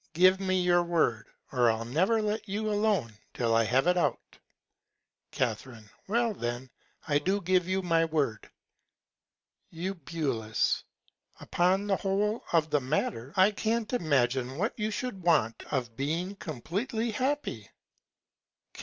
Give me your Word, or I'll never let you alone till I have it out. Ca. Well then, I do give you my Word. Eu. Upon the whole of the Matter, I can't imagine what you should want of being compleatly happy. Ca.